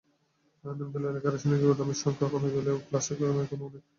নিমতলী এলাকায় রাসায়নিকের গুদামের সংখ্যা কমে এলেও প্লাস্টিকের কারখানা এখনো অনেক।